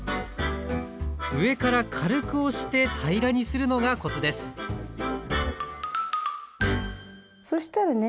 上から軽く押して平らにするのがコツですそしたらね